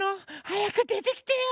はやくでてきてよ。